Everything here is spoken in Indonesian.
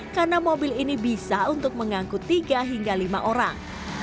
karena mobil ini bisa untuk mengangkut tiga hingga lima orang